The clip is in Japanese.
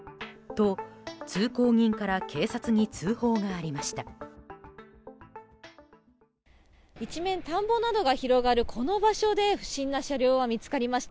通行人から警察に通報がありました。